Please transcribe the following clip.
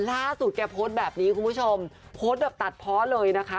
ล่าสุดแกโพสต์แบบนี้คุณผู้ชมโพสต์แบบตัดเพาะเลยนะคะ